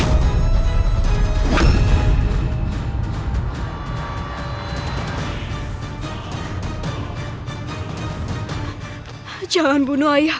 aku harus bertanggung jawab atas apa yang kau lakukan terhadap ibu ku